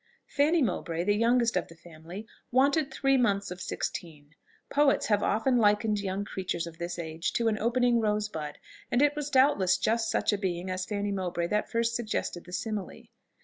Fanny Mowbray, the youngest of the family, wanted three months of sixteen. Poets have often likened young creatures of this age to an opening rose bud, and it was doubtless just such a being as Fanny Mowbray that first suggested the simile.